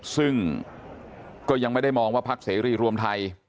ซึ่งก็ยังไม่ได้มองว่าพักเสรีรวมไทย